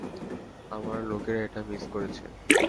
আমার লোকেরা এটা মিস করেছে।